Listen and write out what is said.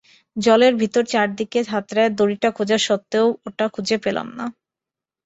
জলের ভিতর চারদিক হাতড়ে দড়িটা খোঁজা সত্ত্বেও, ওটা খুঁজে পেলাম না।